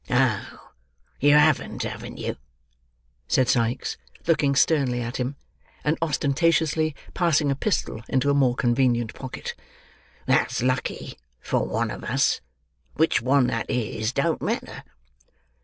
"Oh, you haven't, haven't you?" said Sikes, looking sternly at him, and ostentatiously passing a pistol into a more convenient pocket. "That's lucky—for one of us. Which one that is, don't matter."